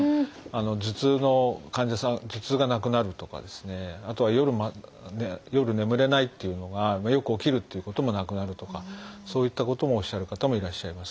頭痛の患者さん頭痛がなくなるとかあとは夜夜眠れないっていうのがよく起きるということもなくなるとかそういったこともおっしゃる方もいらっしゃいます。